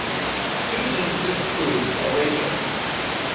Susan disapproved of racing.